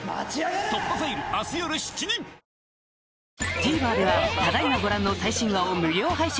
ＴＶｅｒではただ今ご覧の最新話を無料配信！